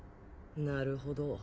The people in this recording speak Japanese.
なるほど。